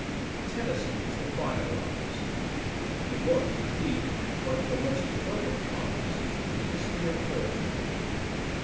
Tennyson was the finer artist; he was, indeed, one of the most perfect artists in the history of poetry.